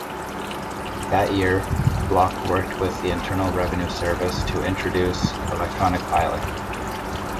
That year, Block worked with the Internal Revenue Service to introduce electronic filing.